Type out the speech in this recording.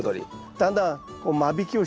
だんだん間引きをしていきます。